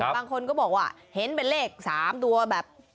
บางคนก็บอกว่าเห็นเป็นเลข๓ตัวแบบ